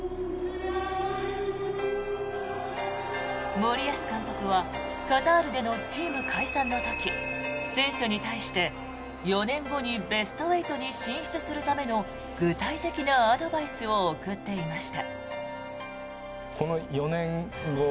森保監督はカタールでのチーム解散の時選手に対して４年後にベスト８に進出するための具体的なアドバイスを送っていました。